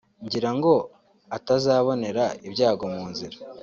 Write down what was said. ngira ngo atazabonera ibyago mu nzira